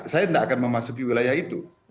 saya tidak akan memasuki wilayah itu